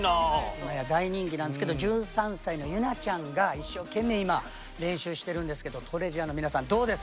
今や大人気なんですけど１３歳の優菜ちゃんが一生懸命今練習してるんですけどＴＲＥＡＳＵＲＥの皆さんどうですか？